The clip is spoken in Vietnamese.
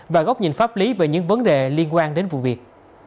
và góc nhìn pháp lý về những vấn đề liên quan đến vụ việc